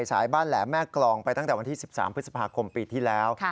สายบ้านแหลมแม่กรองไปตั้งแต่วันที่๑๓พฤษภาคมปีที่แล้ว